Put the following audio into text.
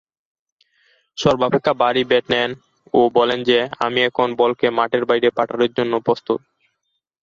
সর্বাপেক্ষা ভারী ব্যাট নেন ও বলেন যে, আমি এখন বলকে মাঠের বাইরে পাঠানোর জন্য প্রস্তুত।